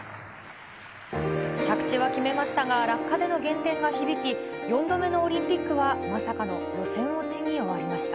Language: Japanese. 着地は決めましたが、落下での減点が響き、４度目のオリンピックはまさかの予選落ちに終わりました。